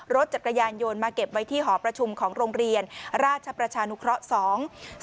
รถจักรยานยนต์มาเก็บไว้ที่หอประชุมของโรงเรียนราชประชานุเคราะห์สอง